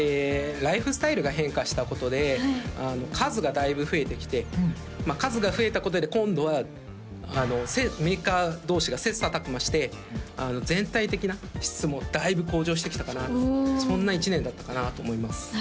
ライフスタイルが変化したことで数がだいぶ増えてきて数が増えたことで今度はメーカー同士が切磋琢磨して全体的な質もだいぶ向上してきたかなとそんな１年だったかなと思います